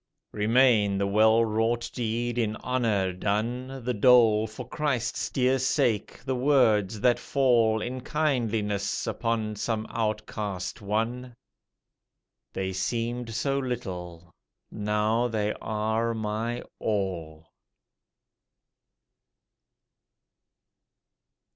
Remain the well wrought deed in honour done, The dole for Christ's dear sake, the words that fall In kindliness upon some outcast one, They seemed so little: now they are my All.